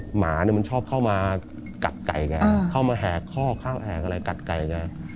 หมามันชอบเข้ามากัดไก่ไงเข้ามาแหกข้อแหกอะไรกัดไก่ไง